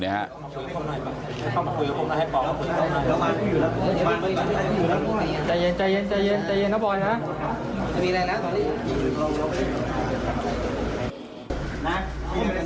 ใจเย็นนะบอยนะ